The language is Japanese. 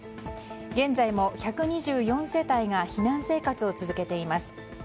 現在も１２４世帯が避難生活を続けています。